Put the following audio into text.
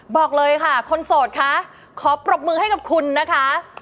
บอกเลยค่ะคนโสดคะขอปรบมือให้กับคุณนะคะ